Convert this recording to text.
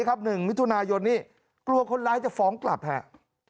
กลัวคนร้ายจะฟ้องกลับแหละ